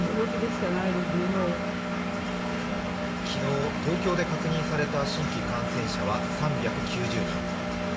昨日、東京で確認された新規感染者は３９０人。